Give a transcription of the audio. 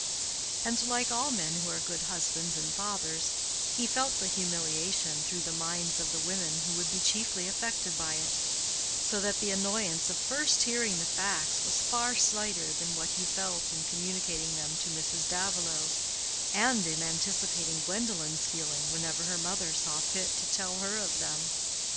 And like all men who are good husbands and fathers, he felt the humiliation through the minds of the women who would be chiefly affected by it; so that the annoyance of first hearing the facts was far slighter than what he felt in communicating them to Mrs. Davilow, and in anticipating Gwendolen's feeling whenever her mother saw fit to tell her of them.